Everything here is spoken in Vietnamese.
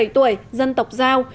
năm mươi bảy tuổi dân tộc giao